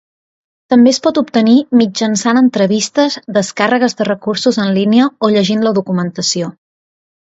També es pot obtenir mitjançant entrevistes, descàrregues de recursos en línia o llegint la documentació.